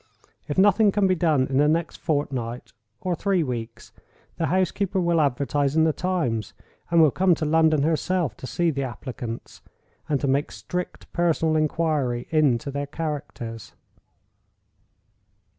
If nothing can be done in the next fortnight or three weeks, the housekeeper will advertise in the Times, and will come to London herself to see the applicants, and to make strict personal inquiry into their characters."